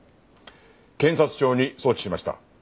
検察庁に送致しました。